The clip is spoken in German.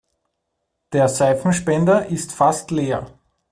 Der Seifenspender ist fast leer.